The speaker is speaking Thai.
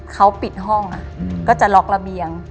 เขาปิดห้องก็จะล็อกระเบียง